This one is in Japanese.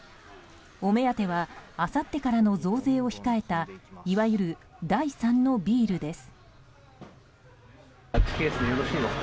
お目当てはあさってからの増税を控えたいわゆる第三のビールです。